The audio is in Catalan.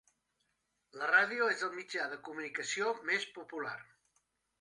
La ràdio és el mitjà de comunicació més popular.